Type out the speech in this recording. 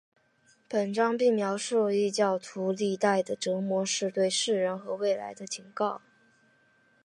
本章并描述异教徒历代的折磨是对世人和未来的警告。